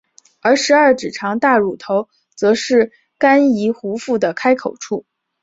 而十二指肠大乳头则是肝胰壶腹的开口处。